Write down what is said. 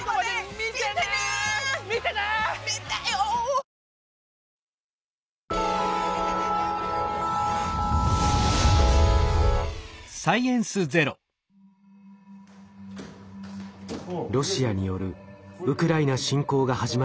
ロシアによるウクライナ侵攻が始まって１年。